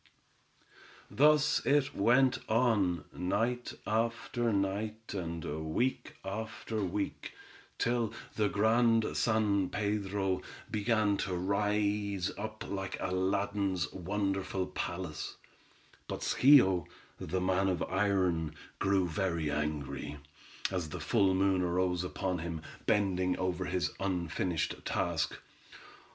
Thus it went on, night after night, and week after week, till the Grand San Pedro began to rise up like Aladdin's wonderful palace, but, Schio, the man of iron, grew very angry, as the full moon arose upon him, bending over his unfinished task.